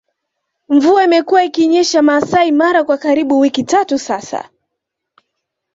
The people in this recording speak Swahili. Mvua imekuwa ikinyesha Maasai Mara kwa karibu wiki tatu sasa